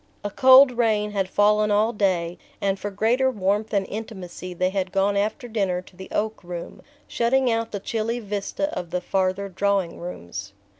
A cold rain had fallen all day, and for greater warmth and intimacy they had gone after dinner to the oak room, shutting out the chilly vista of the farther drawing rooms.